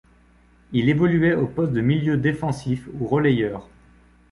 Il évoluait au poste de milieu défensif ou relayeur.